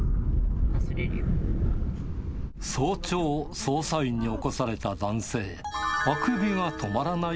早朝、捜査員に起こされた男性。